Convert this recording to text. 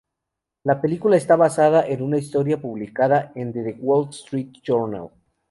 La película está basada en una historia publicada en "The Wall Street Journal".